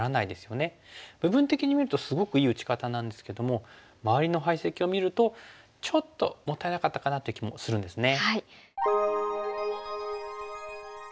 部分的に見るとすごくいい打ち方なんですけども周りの配石を見るとちょっともったいなかったかなという気もするんですね。